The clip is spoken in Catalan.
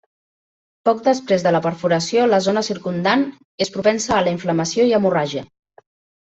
Poc després de la perforació, la zona circumdant és propensa a la inflamació i hemorràgia.